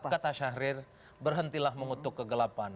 kata syahrir berhentilah mengutuk kegelapan